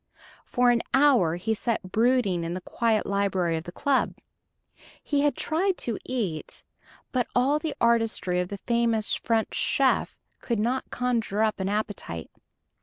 For an hour he sat brooding in the quiet library of the club. He had tried to eat; but all the artistry of the famous French chef could not conjure up an appetite.